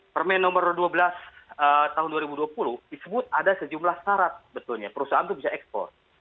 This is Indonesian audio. permen nomor dua belas tahun dua ribu dua puluh disebut ada sejumlah syarat betulnya perusahaan itu bisa ekspor